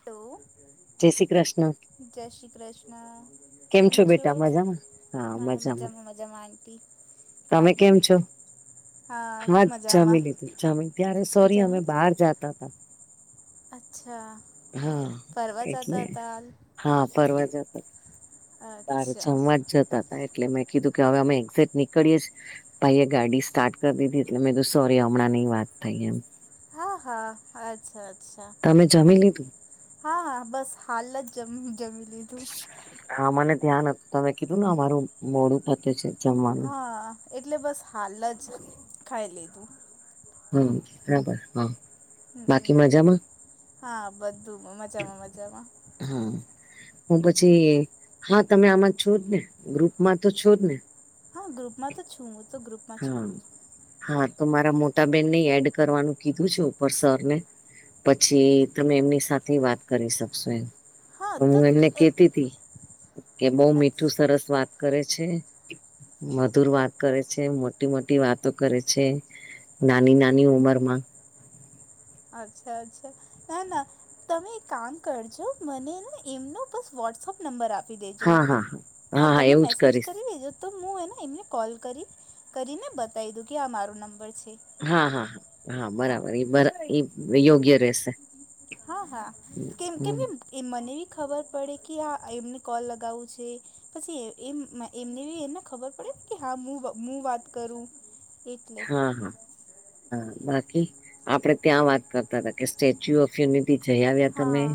Hello જય શ્રી કૃષ્ણ જય શ્રી કૃષ્ણ. કેમ છો મજામાં મજામાં આટી. તમે કેમ છો. હા જામી લીધું જામીન ત્યારે સોરી અમે જમી બહાર લીધું જતા હતા. અચ્છા હા ફરવા એટલે જતા તા. હા ફરવા જતા. તારે અચ્છા જમવા જ જતા હતા એટલે મેં કીધું કે હવે અમે એક્ઝેક નીકળીએ છીએ. ભાઈ એ ગાડી સ્ટાર્ટ કરી દીધી એટલે મેં સોરી હમણાં ની વાત થઈ એમ. હા હા અચ્છા અચ્છા. તમે જમી લીધું. હા બસ હાલ જમ જમી લીધું. હા મને ધ્યાન હતું તમે કીધું ને અમારું મોડું પતે છે. જમવાનું હા એટલે બસ હાલ જ ખાઈ લીધું. હમ બરાબર હા. બાકી હમમ મજામાં હા બધું મજામાં મજામાં. હા હું પછી હા તમે આમાં છો જ ને ગ્રુપમાં તો છો જ ને. હા ગ્રુપમાં તો છું હુ. હા હા તો મારા મોટાબેનને એડ કરવાનું કીધું છે ઉપર સર ને પછી તમે એમની સાથે વાત કરી શકશો એમ. તો હું એમને કેતી તી. કે બહ મીઠું સરસ વાત કરે છે મધુર વાત કરે છે. મોટી મોટી વાતો કરે છે નાની નાની ઉંમર માં. અચ્છા અચ્છા તે ના. તમે એક કામ કરજો મને ને એમનો બસ વોટ્સઅપ નંબર આપી દેજો હા હા હા તમે એવું જ મેસેજ કરીશ કરી લેજો. તો હું એને એમને કોલ કરી કરીને બતાવી દઉં કે આ મારો નંબર છે. હા હા હા હા બરાબર એ બ યોગ્ય રહેશે. હા હા કેમ કેમ કે મને બી ખબર પડે કે હા એમને કોલ લગાવવું છે. પછી એમને એમને ખબર પડેને કે હા હું વાત કરું. એટલે હા હા હા બાકી આપડે ત્યાં વાત કરતા હતા કે સ્ટેચ્યુ ઓફ યુનિટી જઈ આવ્યા તમે. હા,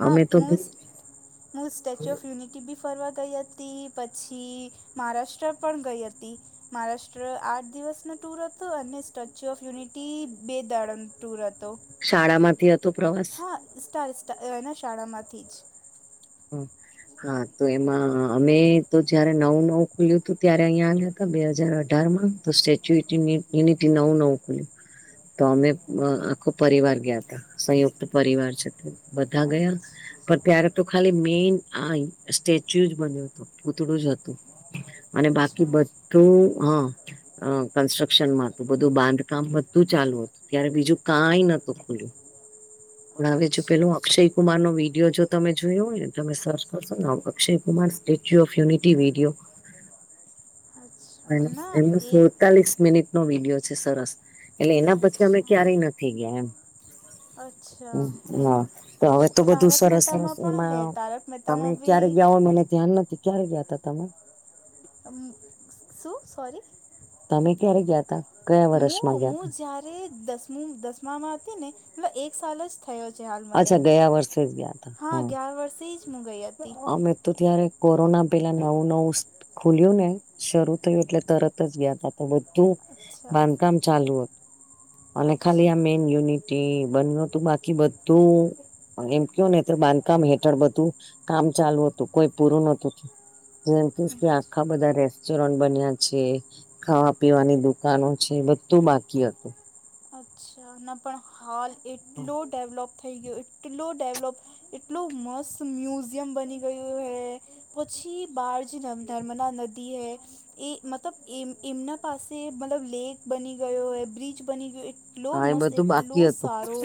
હા અમે તો મું હું સ્ટેચ્યુ ઓફ યુનિટી બી ફરવા ગઈ હતી પછી. મહારાષ્ટ્ર પણ ગઈ હતી. મહારાષ્ટ્ર આઠ દિવસ ન ટૂર હતો અને સ્ટેચ્યુ ઓફ યુનિટી બે દાડાનો ટૂર હતો. શાળામાંથી હતો પ્રવાસ હા સ્ટાર શાળા માંથી જ હમ હા તો એમાં અમે તો જયારે નવ નવ ખુલ્યું હતું ત્યારે અહીં આવ્યા હતા બે હાજર અઢાર માં તો સ્ટેચ્યુ યુનિટી નવું નવું ખુલ્યું તો અમે આખો પરિવાર ગયા ત સંયુક્ત પરિવાર છે તે બધા ગયા પણ ત્યારે તો ખાલી મેન આ સ્ટેચ્યુ જ બન્યો હતો કૂતડું જ હતું અને બાકી અચ્છા અચ્છા બધું હા અ કન્સ્ટ્રક્શન માં હતું બધું બાંધકામ બધું ચાલુ હતું ત્યારે બીજું કાઈ નતું ખુલ્યું ભણાવે છેું અચ્છા પેલું અક્ષય કુમાર નો વિડિયો જો તમે જોયો હોયને તમે સર્ચ કરશો ને Akshay Kumar statue of unity video [unintelligible] ના એમનું એ સુડતાલીસ મિનિટ નો વિડીિયો છે સરસ એટલે એના પછી અમે અચ્છા ક્યારેય નથી ગયા એમ અચ્છા હ તો હવે તો બધું તારક સરસસ મહેતામાં પણ હે એમાં તારક તમે મહેતામાં બી ક્યારે ગ હ મેને ધ્યાન નથી ક્યારે ગયા ત તમે હમું [unintelligible] શું સોરી તમે ક્યારે ગયા તા કયા હ વર્ષમાં ગયા હું તા જયારે દસ દસમામાં હતી ને એ એક સાલ જ થયો છે હાલ મને અચ્છા ગયા વર્ષે જ ગયા તા હા ગ્યાર વર્ષથી જ હું ગઈ હતી અમે તો ત્યારે કોરોના પેલા નવું નવું ખુલ્યું ને શરૂ થયું એટલે તરત જ ગયા ત તો બધું અચ્છા બાંધકામ ચાલુ હતું અને ખાલી અચ્છા આ મેન યુનિટી બન્યું હતું બાકી બધું એમ કયો ને તો બાંધકામ હેઠળ બધું કામ ચાલુ હતું કોઈ પૂરું નતુંું જેમ કે કે અચ્છા આખા બધા રેસ્ટોરન્ટ બન્યા છે ખાવા પીવાની દુકાનો છે બધું બાકી હતું ના પણ હાલ એટલો ડેવલોપ થઈ ગયો એટલો ડેવલોપ એટલું મસ્ત મ્યુઝિયમ બની ગયું હૈ પછી બારજી નર્મદા નદી હૈ એ મતલબ એમ એમના પાસે મતલબ લેક બની ગયો હોય બ્રિજ બની ગયો એટલો હા એ મસ્ત બધું એટલો બાકી હતું સારો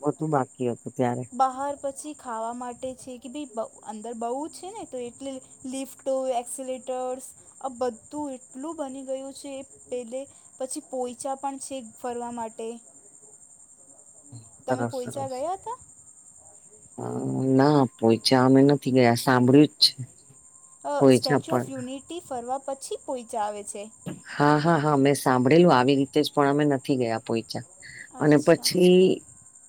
બધું બાકી હતું ત્યારે બહાર પછી ખાવા માટે છે કે ભાઈ અંદર બહુ છે ને તો એટલે લિફ્ટો એક્સલેટર્સ આ બધું એટલું બની ગયું છે એ પહેલે પછી પોઈચા પણ છે ફરવા માટે તમે સરસ પોઈચા સરસ ગયા હ ના પોચા અમે નથી ગયા સાંભળ્યું જ છે અ પોઈચા સ્ટેચ્યુ ઓફ પણ યુનિટી ફરવા પછી પોહોચ આવે છે હા હા હા મેં સાંભળેલું આવી રીતે જ પણ અમે નથી ગયા પોહોચ્યા અને અચ્છા પછી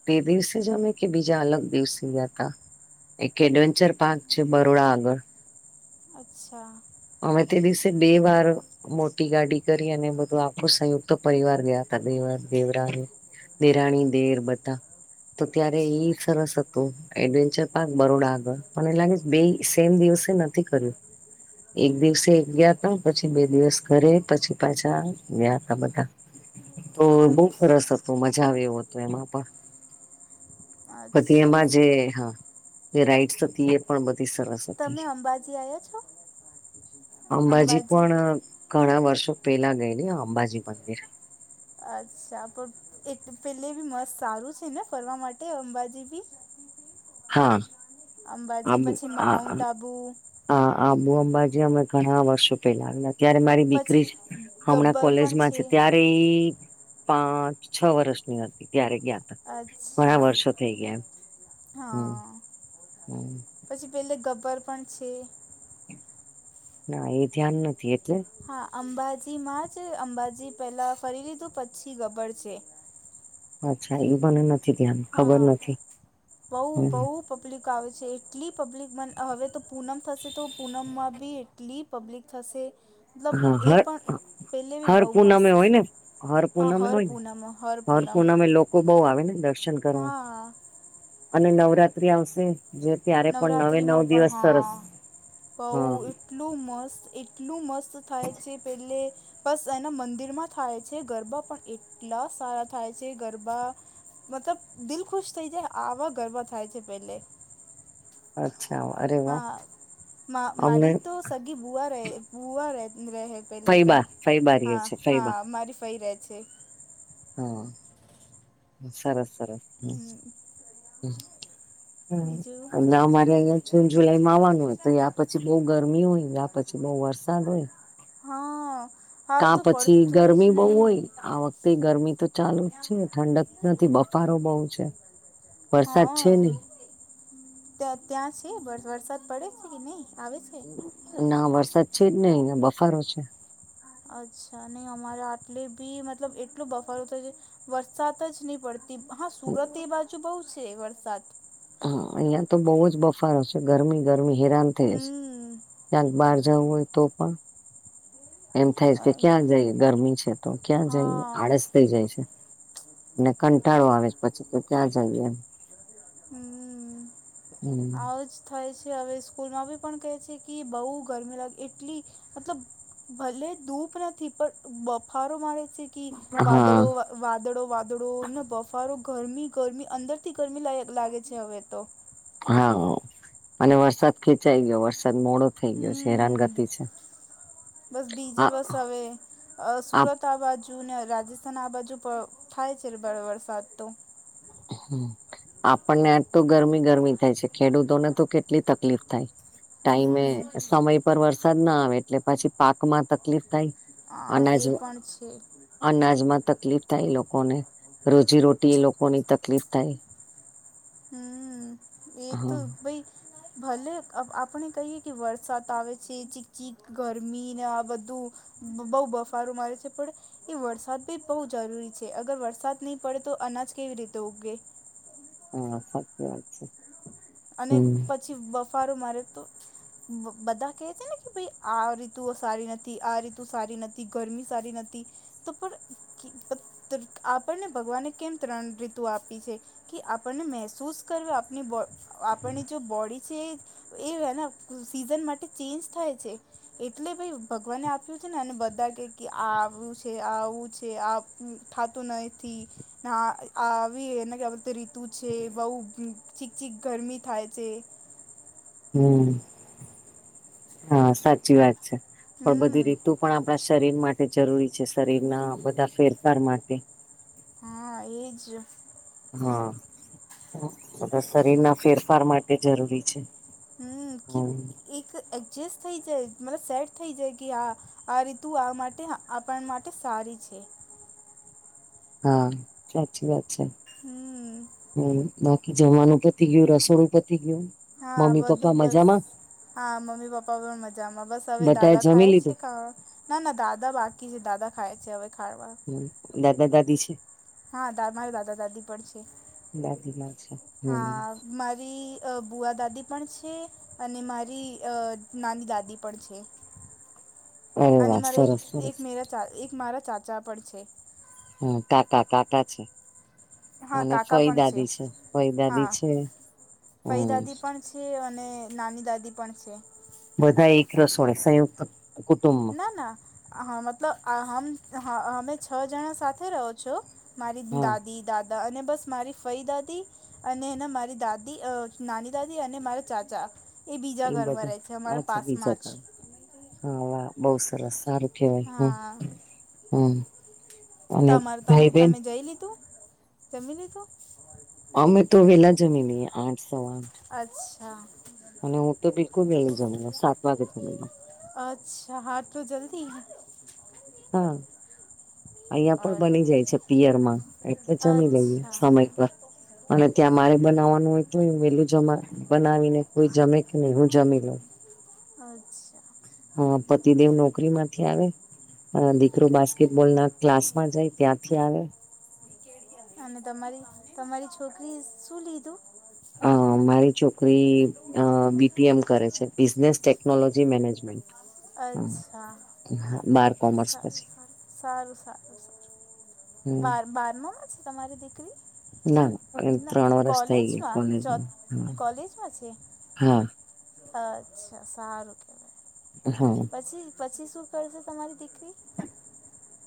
બે દિવસે જમે કે બીજા અલગ દિવસે ગયા હતા એક એડવેન્ચર પાર્ક છે બરોડા આગળ. અચ્છા. અમે તે દિવસે બે વાર મોટી ગાડી કરી અને બધું આખો સંયુક્ત પરિવાર ગયા હતા દેવરા નિિરાણી દેર બધા તો ત્યારે એઈ અચ્છા સરસ હતું એડવેન્ચર પાર્ક બરોડા આગળ, મને એ લાગે, બે સેમ દિવસે નથી કર્યું. એક દિવસે એક ગયા તા, પછી બે દિવસ ઘરે પછી પાછા ગયા તા બધા. તો બહ સરસ અચ્છા હતું મજા આવે એવું હતું એમાં પણ બધી એમાં અચ્છા જે હ રાઈટસ તો હતી એ પણ બધી સરસ હતી તમે અંબાજી આવ્યા છો અંબાજી પણ ઘણા વર્ષો પેલા ગયેલી અંબાજી મંદિર અચ્છા, પણ એ પેલે બી મસ્ત સારું છે ને ફરવા માટે, અંબાજી બી. હા. અંબાજી, પછી માઉન્ટ આબુ. હા, આબુ અંબાજી અમે ઘણા વર્ષો પેલા ગયેલા. ત્યારે મારી દીકરી પછી હમણાં ગબ્બર પણ કોલેજમાં છે, ત્યારે એ પાંચ-છ વર્ષની હતી, ત્યારે ગયા હતા. ઘણા અચ્છા વર્ષો થઇ ગયા, એમ હમ. હા હમ પછી પેલે ગબ્બર પણ છે. ના એ ધ્યાન નથી એટલે. હા, અંબાજી માં જ, અંબાજી પહેલા ફરી લીધું, પછી ગબડ છે. અચ્છા, એવું મને નથી ધ્યાન, ખબર હા નથી બહુ હ. બહુ પબ્લિક આવે છે એટલી પબ્લિક માં. હવે તો પૂનમ થશે, તો પૂનમમાં બી. એટલી પબ્લિક થશે, મતલબ હા એ હા પણ. પહેલે ભી હર બહુ મસ્ત પૂનમે હોય છે, ને હર હા, પૂનમે હર હોય ને પૂનમ, હર પૂનમ. પૂનમે લોકો બહુ આવે ને દર્શન કરવા, હા અને નવરાત્રી આવશે જેમ. નવરાત્રિમાં પણ, હા, બહુ. હા એટલું મસ્ત, એટલું મસ્ત થાય છે પેલે બસ, એના મંદિરમાં થાય છે ગરબા, પણ એટલા સારા થાય છે ગરબા. મતલબ, દિલ ખુશ થઈ જાય, આવા ગરબા થાય છે પહેલે. અચ્છા, અરે. વાહ હા, અમને મારી તો સગી બુવા રહે તે રહે.. પેલે તો, ફૈબા ફૈબા રે હા, છે હા, ફૈબા અમારી ફુઈ રહે છે. હા, સરસ, સરસ, હમ, હ. બીજું અમારા અહીંયા જ. જૂન-જુલાઈમાં આવવાનું હોય, તો યા પછી બઉુ ગરમી હોય, યા પછી બઉુ વરસાદ હોય. હા. હાલ તા તો પછી પડતું જ ગરમી બઉુ હોય નહીં આ વખતે. તે ગરમી તો ચાલુ જ છે, ઠંડક નથી, બફારો બહુ છે. વરસાદ છે હા, નહી ત્યાં ત્યાં છે, વરસાદ પડે છે કે નહીં આવે છે. ના, વરસાદ છે જ નઈ, અહિયાં બફારો છે. અચ્છા, નહીં, અમારે આટલી બી, મતલબ એટલો બફારો થાય છે, વરસાદ જ નહીં પડતી. હા, સુરત એ બાજુ બહુ છે વરસાદ. હા, અહિયાં તો બહુ જ બફારો છે, ગરમી ગરમી, હેરાન થઈ છે. હમ ક્યાંક બહાર જવું હોય તો પણ એમ થાય અ- કે, ક્યાં જઈએ? ગરમી છે, તો ક્યાં જઈએ? હા આળસ. થઈ જાય છે, અને કંટાળો આવે છે, પછી તો ત્યાં જઈએ, એમ. હમ, હમ આવે જ. થાય છે, હવે સ્કૂલમાં બી પણ કહે છે કે, બહુ ગરમી લાગે, એટલી મતલબ. ભલે ધૂપ નથી, પણ બફારો મારે છે. હા વાદળો, વાદળો, વાદળો, બફારો, ગરમી, ગરમી, અંદર થી ગરમી લાય. લાગે છે, હવે તો. હા, અને વરસાદ ખેંચાઈ ગયો, વરસાદ મોડો થઈ ગયો છે, હમ હેરાનગતિ છે. બસ, બીજે આ બસ, હવે. અ, આપ સુરત આ બાજુ ને, રાજસ્થાન આ બાજુ પણ થાય છે ભ, વરસાદ તો આપણને આજ તો ગરમી ગરમી થાય છે, ખેડૂતોને તો કેટલી તકલીફ થાય. ટાઈમે, હમ સમય પર વરસાદ ના આવે, એટલે પછી પાકમાં તકલીફ થાય. હ, એ પણ છે. અનાજ માં તકલીફ થાય, લોકોને રોજીરોટી, એ લોકોની તકલીફ થાય. હમ એ તો હા ભાઈ. ભલે આ આપણે કહીએ કે વરસાદ આવે છે ચીકચીક ગરમીને આ બધું. બહુ બફારું મારે છે પણ એ વરસાદ ભી બહુ જરૂરી છે અગર વરસાદ નહી પડે તો અનાજ કેવી રીતે ઉગે. હા સાચી વાત છે. અને હમ પછી બફારો મારે તો. બ બધા કહે છે ને કે ભાઈ આ રીતુ સારી નથી આ રીતુ સારી નથી ગરમી સારી નથી. તો પણ આપણને ભગવાને કેમ ત્રણ રીતુ આપી છે. કે આપણને મહેસૂસ કરવી આપની બો આપણને જો બોડી છે એ એ હેને સિઝન માટે ચેન્જ થાય છે. એટલે ભાઈ ભગવાને આપ્યું છે ને અને બધા કે આ આવું છે આવું છે આ થતું નથી હા આ આવી હથી આવી એને કે ર. તું છે બહુ ચીક ચીક ગરમી થાય છે. હમ હા સાચી વાત છે પણ હમ બધી રીતું. પણ આપણા શરીર માટે જરૂરી છે શરીરના બધા ફેરફાર માટે. હા એજ. હા બધા શરીરના ફેરફાર માટે જરૂરી છે. હમ કે એક એડજસ્ટ થઈ જાય મતલબ સેટ થઇ જાય કે હા. આ રીતુ આ માટે આપણ માટે સારી છે. હા સાચી વાત છે. હમ્મ. હ બાકી જમવાનું પથી ગયું રસોડું પથી ગયું હા મમ્મી બધું પપ્પા બસ મજામાં. હા મમ્મી પપ્પા પણ મજામાં બસ હવે બધા દાદા જમી ખાય છે લીધું ખા ના ના દાદા બાકી છે દાદા ખાય છે હવે ખાવા. દાદા દાદી છે. હા મારા દાદા દાદી પણ છે. દાદી મા છે હમ હા મારી અ ભુઆ દાદી પણ છે અને મારી અ નાની દાદી પણ છે. અરે અને વાહ મારા એક સરસ એક સરસ મેરા ચા એક મારા ચાચા પણ છે. હમ તાતા તાતા છે. હા અને કાકા પણ ફઈદાદી છે. ફઈદાદી હા છે. હમ્મ. તે અને નાની દાદી પણ છે. બધા એક રસોડે સંયુક્ત કુટુંબ. હને હમ મતલબ અમે છ જણા સાથે રહો છો. મારી હા દાદી દાદા અને બસ મારી ફઈ દાદી અને ના મારી દાદી નાની દાદી અને મારા ચાચા. એ બીજા ઘરમાં બધા રહે છે અમારા અચ્છા બીજા પાસમાં જ. કા હા વાહ બહ સરસ સારું કેવાય હા હ હમ. અને તમારે તમે ભાઈ બેન તમે જઈ લીધું જમી લીધું. અમે તો વેલા જમી લઈએ આઠ સવા આઠ. અચ્છા. અને હું તો બિલકુલ વહેલી જમી લઉ સાત વાગે જમી લઉ. અચ્છા હાટલું જલ્દી. હમ્મ અહ્યા પણ અચ્છા બની જાય છે પિયરમાં. એટલે જમી લઈએ અચ્છા સમય પર. અને ત્યાં મારે બનાવવાનું હોય તો વેલું જમા બનાવીને કોઈ જમે કે નહી હું જમી લઉ. અચ્છા. હા પતિદેવ નોકરી માંથી આવે. અ દીકરો બાસ્કેટબોલ ના ક્લાસ માં જાય ત્યાંથી આવે. અને તમારી તમારી છોકરી શું લીધું. અ મારી છોકરી અ બી ટી એમ કરે છે બિઝનેસ ટેકનોલોજી મેનેજમેન્ટ. હા અચ્છા બાર કોમર્સ પછી સારું સારું હમ બાર બારમામાં છે તમારી દીકરી ના ના ત્રણ વરષ થઈ ગયા કોલેજમાં ચ કોલેજમાં કોલેજમાં છે હા અચ્છા સારું. કહેવાય હા. પછી પછી શું કરશે તમારી દીકરી.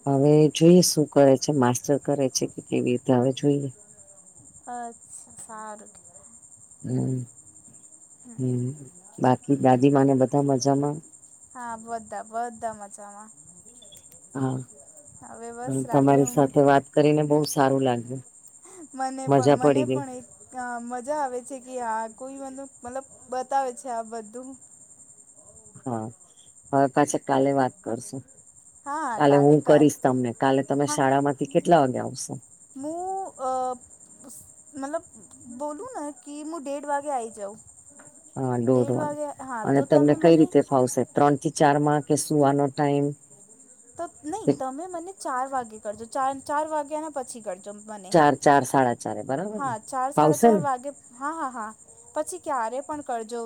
હવે જોઈએ શું કરે છે માસ્ટર કરે છે કે કેવી રીતે હવે જોઈએ. અચ્છા સારુંકે. હમ હમ બાકી દાદી માને બધા મજામાં. હા બધા બધા મજામાં. હા હવે બસ રાત્રે તમારી ઊંઘ સાથે વાત કરીને બહુ સારું લાગ્યું. મને પણ મજા મને પડી ગઈ પણ એક. હા મજા આવે છે કે હા કોઈ મ મતલબ બતાવે છે આ બધું. હા હવે પાછી કાલે વાત કરશું. હા હા કાલે હું કાલ કરીશ તમને કાલે તમે હા શાળામાંથી કેટલા વાગે આવશો. હું અ. મતલબ બોલું ને કે હું દેઢ વાગે આઈ જાઉં. હા દેઢ ડોઢોન વાગે હા અને તો તમને તમે કઈ મને રીતે ફાવશે ત્રણથી ચારમાં કે સુવાનો ટાઈમ. તો નહી કે તમે મને ચાર વાગે કરજો ચાર વાગ્યા ના પછી કરજો. બને ચાર ચાર સાડા ચારે બરાબર ને હા ચાર સાડા ફાવશે ચાર ને વાગે. હા હા હા પછી ક્યારે પણ કરજો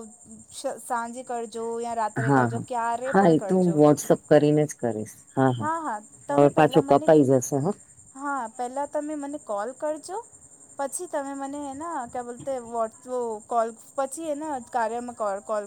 સાંજે કરજો. રાત્રે હા કરજો હા ક્યારે હા એ પણ તો હું કરજો. વોટ્સઅપ કરીને જ કરીશ હા હા હવે તમે પાછો પહેલાં મને કપાઈ જશે હા. હા પહેલાં તમે મને કોલ કરજો. પછી તમે મને ક્યા બોલતે વોટ્સ કોલ. પછી એને કાર્યમાં કોલ કર.